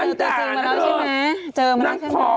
นางผอมเจอมารึหรือโอโฮนางผอม